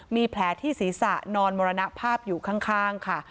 มีแผลที่ศีรษะนอนมรณภาพอยู่ข้างค่ะ